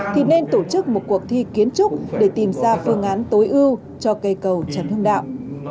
thì nên tổ chức một cuộc thi kiến trúc để tìm ra phương án tối ưu cho cây cầu trần hưng đạo